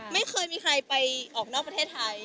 ไม่เคยมีใครไปออกนอกประเทศไทย